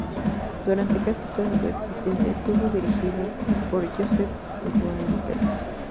Durante casi toda su existencia estuvo dirigido por Joseph Goebbels.